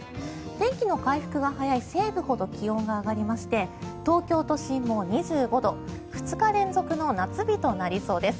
天気の回復が早い西部ほど気温が上がりまして東京都心も２５度２日連続の夏日となりそうです。